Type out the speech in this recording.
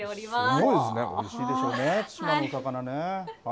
すごいですね、おいしいでしょうね、対馬の魚ね。